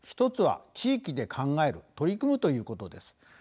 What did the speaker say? １つは地域で考える取り組むということです。